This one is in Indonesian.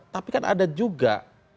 tapi kan ada juga